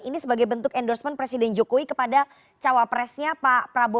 ini sebagai bentuk endorsement presiden jokowi kepada cawa presiden